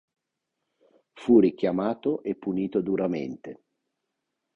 Fu richiamato e punito duramente.